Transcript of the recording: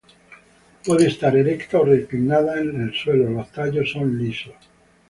Puede estar erecta o reclinada en el suelo; los tallos son lisos.